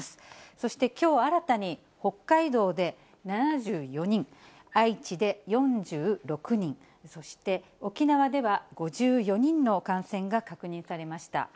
そして、きょう新たに北海道で７４人、愛知で４６人、そして沖縄では５４人の感染が確認されました。